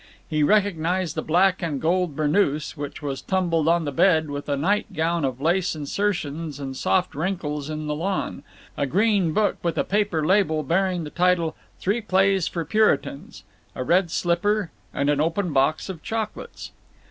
He recognized the black and gold burnoose, which was tumbled on the bed, with a nightgown of lace insertions and soft wrinkles in the lawn, a green book with a paper label bearing the title Three Plays for Puritans, a red slipper, and an open box of chocolates.